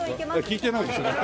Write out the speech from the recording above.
聞いてないですね。